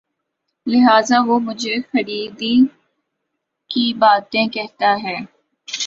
لہٰذا وہ مجھے خیر ہی کی باتیں کہتا ہے